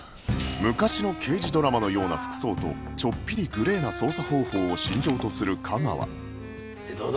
昔の刑事ドラマのような服装とちょっぴりグレーな捜査方法を信条とする架川でどうだ？